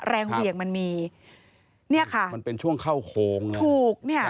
แรงเหวียงมันมีมันเป็นช่วงเข้าโค้งถูก